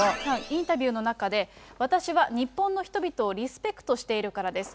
インタビューの中で、私は日本の人々をリスペクトしているからです。